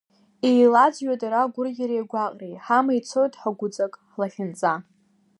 Еилаӡҩоит ара агәырӷьареи агәаҟреи, ҳама ицоит, ҳагәыҵак, ҳлахьынҵа.